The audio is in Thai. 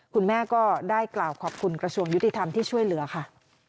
คุณแม่ก็ได้กล่าวขอบคุณกระทรวงยุติธรรมที่ช่วยเหลือค่ะ